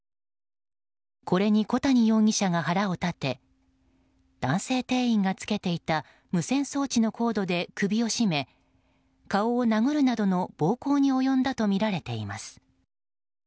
これに小谷容疑者が腹を立て男性店員がつけていた無線装置のコードで首を絞め顔を殴るなどの暴行に及んだとみられています。